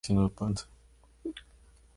Fue abandonada en la Antigüedad tardía.